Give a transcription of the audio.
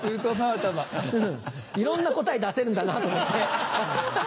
いろんな答え出せるんだなと思って。